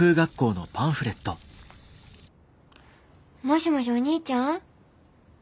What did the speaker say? もしもしお兄ちゃん？